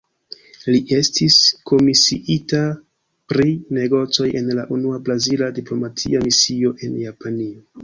Li estis komisiita pri negocoj en la unua brazila diplomatia misio en Japanio.